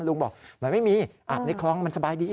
ลุงบอกมันไม่มีอาบในคลองมันสบายดี